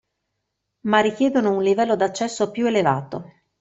Ma richiedono un livello d'accesso più elevato.